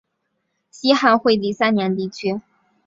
西汉惠帝三年地区。